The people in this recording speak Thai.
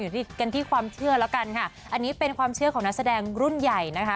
ที่กันที่ความเชื่อแล้วกันค่ะอันนี้เป็นความเชื่อของนักแสดงรุ่นใหญ่นะคะ